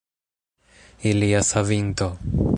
Ilia savinto!